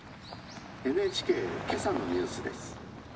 ＮＨＫ今朝のニュースです。